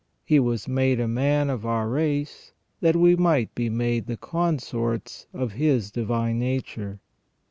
He was made a man of our race, that we might be made the consorts of His divine nature.